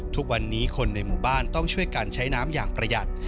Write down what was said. ทุกวันนี้คนในหมู่บ้านต้องช่วยกันใช้น้ำอย่างประหยัด